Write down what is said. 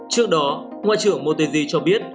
trước đó ngoại trưởng motegi cho biết